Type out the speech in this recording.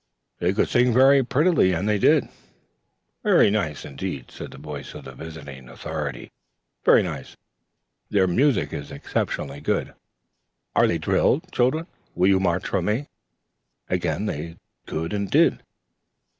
They could sing very prettily and they did. "Very nice, indeed," said the voice of visiting authority. "Very nice. Their music is exceptionally good. And are they drilled? Children, will you march for me?" Again they could and did.